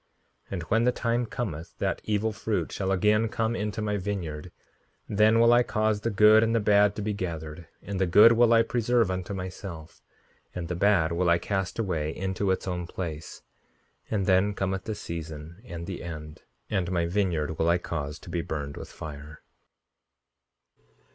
5:77 And when the time cometh that evil fruit shall again come into my vineyard, then will I cause the good and the bad to be gathered; and the good will I preserve unto myself, and the bad will I cast away into its own place. And then cometh the season and the end; and my vineyard will I cause to be burned with fire.